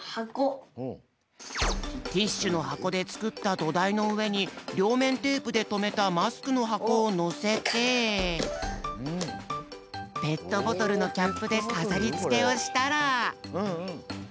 ティッシュのはこでつくったどだいのうえにりょうめんテープでとめたマスクのはこをのせてペットボトルのキャップでかざりつけをしたら。